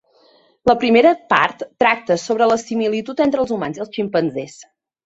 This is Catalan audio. La primera part tracta sobre la similitud entre els humans i els ximpanzés.